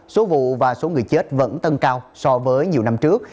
số vụ và số người chết vẫn tăng cao so với nhiều năm trước